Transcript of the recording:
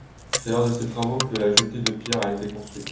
C'est lors de ces travaux que la jetée de pierre a été construite.